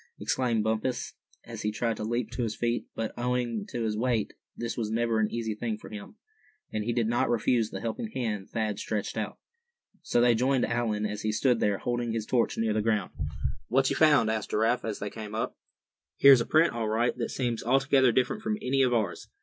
exclaimed Bumpus, as he tried to leap to his feet; but, owing to his weight, this was never an easy thing for him, and he did not refuse the helping hand Thad stretched out. So they joined Allan, as he stood there, holding his torch near the ground. "What you found?" asked Giraffe, as they came up. "Here's a print, all right, that seems altogether different from any of ours.